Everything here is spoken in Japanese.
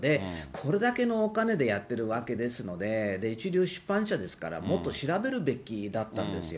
これだけのお金でやってるわけですので、一流出版社ですから、もっと調べるべきだったんですよ。